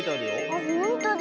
あっほんとだ。